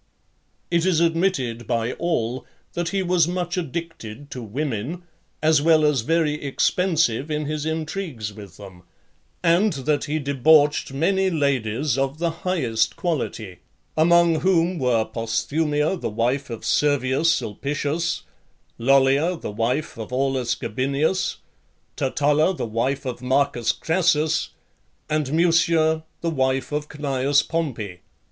L. It is admitted by all that he was much addicted to women, as well as very expensive in his intrigues with them, and that he debauched many ladies of the highest quality; among whom were Posthumia, the wife of Servius Sulpicius; Lollia, the wife of Aulus Gabinius; Tertulla, the wife of Marcus Crassus; and Mucia, the wife of Cneius Pompey.